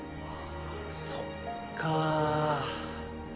そっか。